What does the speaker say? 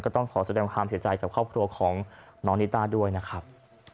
ต้องขอแสดงความเสียใจกับครอบครัวของน้องนิต้าด้วยนะครับ